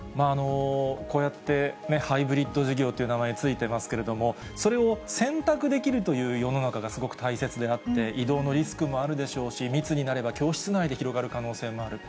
こうやってハイブリッド授業という名前が付いていますけれども、それを選択できるという世の中がすごく大切であって、移動のリスクもあるでしょうし、密になれば教室内で広がる可能性もある。